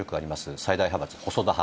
最大派閥、細田派。